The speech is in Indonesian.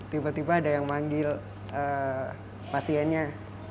tiba tiba ada yang manggil pasiennya